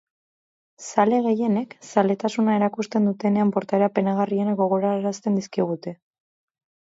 Zale gehienek, zaletasuna erakusten dutenean portaera penagarrienak gogorarazten dizkigute.